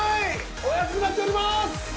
お安くなっております！